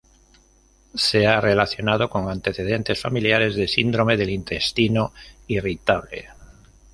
Se ha relacionado con antecedentes familiares de síndrome del intestino irritable.